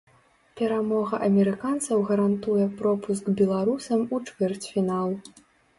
Перамога амерыканцаў гарантуе пропуск беларусам у чвэрцьфінал.